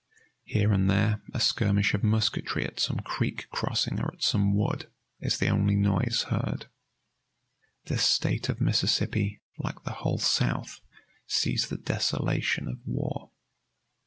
Here and there a skirmish of musketry at some creek crossing or at some wood is the only noise heard. This state of Mississippi, like the whole South, sees the desolation of war.